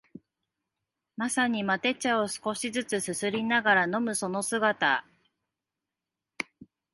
まさにマテ茶を少しづつすすりながら飲むその姿